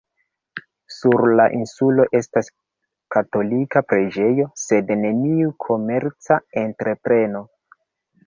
Sur la insulo estas katolika preĝejo sed neniu komerca entrepreno.